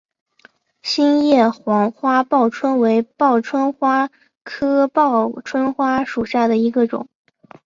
心叶黄花报春为报春花科报春花属下的一个种。